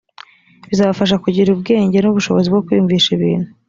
bizabafasha kugira ubwenge n ubushobozi bwo kwiyumvisha ibintu